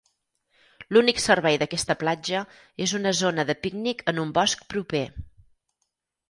L'únic servei d'aquesta platja és una zona de pícnic en un bosc proper.